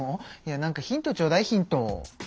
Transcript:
なんかヒントちょうだいヒント。